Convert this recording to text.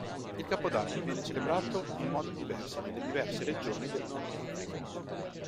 Il capodanno viene celebrato in modi diversi nelle diverse regioni del Nordafrica.